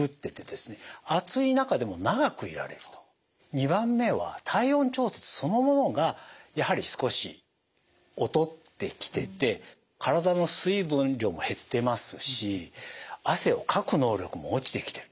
２番目は体温調節そのものがやはり少し劣ってきてて体の水分量も減ってますし汗をかく能力も落ちてきてる。